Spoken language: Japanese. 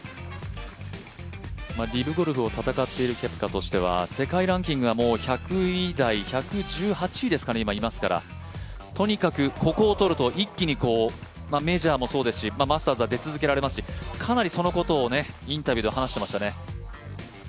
リブゴルフを戦っているケプカとしては、世界ランキングは１００位台１１８位にいますから、ここを取ると一気にメジャーもそうですしマスターズは出続けられますし、かなりそのことをインタビューで話していましたね。